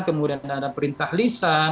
kemudian ada perintah lisan